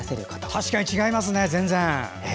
確かに違いますね、全然。